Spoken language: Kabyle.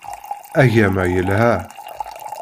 Agama yelha